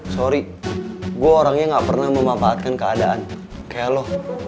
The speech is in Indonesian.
sorry gue orangnya gak pernah memanfaatkan keadaan kayak lo